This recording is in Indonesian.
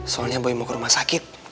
soalnya boy mau ke rumah sakit